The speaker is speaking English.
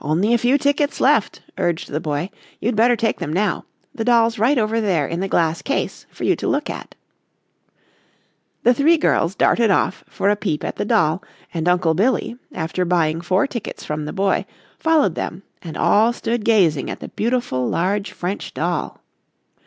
"Only a few tickets left," urged the boy, "you'd better take them now. The doll's right over there in the glass case for you to look at." The three girls darted off for a peep at the doll and Uncle Billy, after buying four tickets from the boy, followed them, and all stood gazing at the beautiful large French doll.